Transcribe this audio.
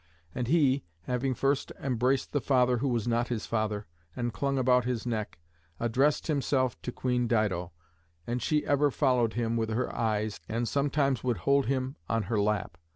And he, having first embraced the father who was not his father, and clung about his neck, addressed himself to Queen Dido, and she ever followed him with her eyes, and sometimes would hold him on her lap.